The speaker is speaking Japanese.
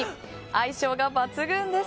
相性が抜群です。